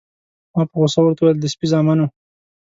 ما په غوسه ورته وویل: د سپي زامنو.